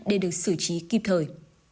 để được xử trí kịp thời